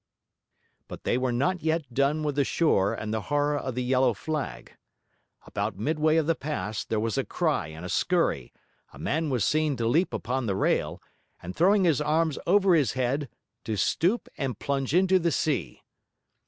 But they were not yet done with the shore and the horror of the yellow flag. About midway of the pass, there was a cry and a scurry, a man was seen to leap upon the rail, and, throwing his arms over his head, to stoop and plunge into the sea.